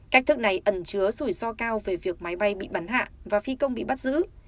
cách thức này ẩn chứa rủi ro cao về việc máy bay bị bắn hạ và phi công bị bắt giữ